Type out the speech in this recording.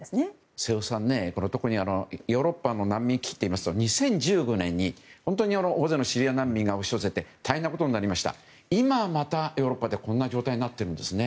瀬尾さん、特にヨーロッパの難民危機といいますと２０１５年に本当に大勢のシリア難民が押し寄せて大変なことになりましたが今、またヨーロッパでこんな状態になっているんですね。